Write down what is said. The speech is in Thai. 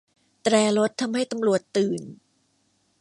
แตรรถทำให้ตำรวจตื่น